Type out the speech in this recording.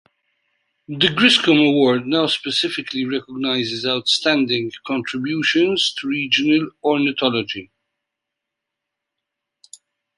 The Griscom Award now specifically recognizes outstanding contributions to regional ornithology.